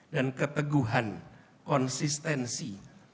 dan keteguhan konsistensi